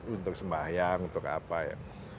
untuk sembahyang untuk apa ya